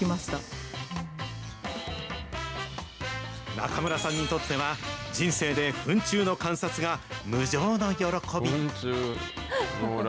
中村さんにとっては、人生でフン虫の観察が無上の喜び。